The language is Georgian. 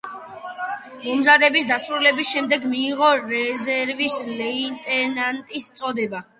მომზადების დასრულების შემდეგ მიიღო რეზერვის ლეიტენანტის წოდება.